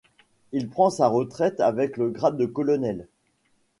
Il prend sa retraite avec le grade de colonel.